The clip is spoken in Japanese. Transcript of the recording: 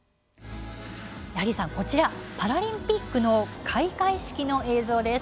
こちら、パラリンピックの開会式の映像です。